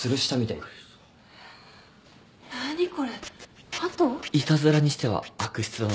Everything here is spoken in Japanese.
いたずらにしては悪質だな。